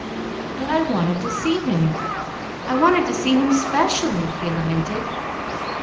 "But I wanted to see him! I wanted to see him 'specially," he lamented.